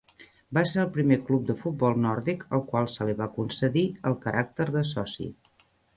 Va ser el primer club de futbol nòrdic al qual se li va concedir el caràcter de soci.